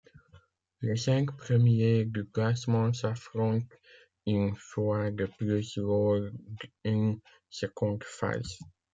Les cinq premiers du classement s'affrontent une fois de plus lors d'une seconde phase.